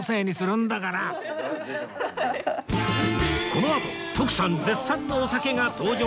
このあと徳さん絶賛のお酒が登場